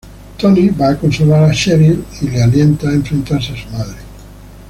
Toni va a consolar a Cheryl y la alienta a enfrentarse a su madre.